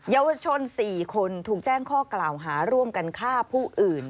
เยาวชน๔คนถูกแจ้งข้อกล่าวหาร่วมกันฆ่าผู้อื่น